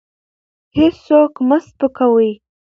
هېڅوک مه سپکوئ.